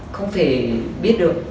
không thể biết được